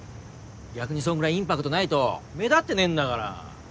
逆にそんぐらいインパクトないと目立ってねえんだから。